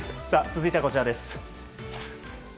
続いては、こちらです。